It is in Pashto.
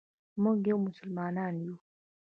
موږ یو مسلمان یو.